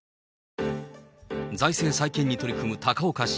財政再建に取り組む高岡市。